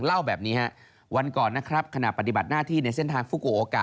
เล่าแบบนี้ฮะวันก่อนนะครับขณะปฏิบัติหน้าที่ในเส้นทางฟุโกโอกะ